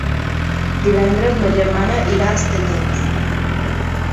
Divendres ma germana irà a Estellencs.